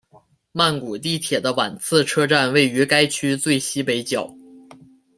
曼谷地铁的挽赐车站位于该区最西北角。